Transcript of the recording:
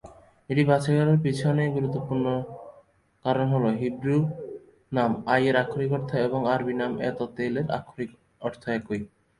এটি বাছাই করার পেছনে আরেকটি গুরুত্বপূর্ণ কারণ হল হিব্রু নাম "আই"-এর আক্ষরিক অর্থ এবং আরবি নাম "এত-তেল"-এর আক্ষরিক অর্থ একই।